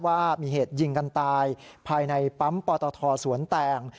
ว่ามีเหตุยิงกันตายภายในปั๊มปตทสวนแตง